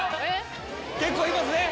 結構いますね。